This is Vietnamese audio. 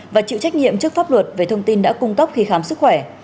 và chịu trách nhiệm trước pháp luật về thông tin đã cung cấp khi khám sức khỏe